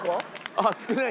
あっ少ない？